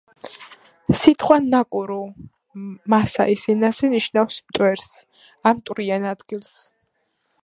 სიტყვა „ნაკურუ“ მასაის ენაზე ნიშნავს „მტვერს“ ან „მტვრიან ადგილს“.